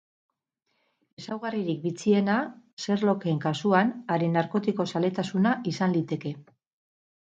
Ezaugarririk bitxiena Sherlocken kasuan haren narkotiko-zaletasuna izan liteke.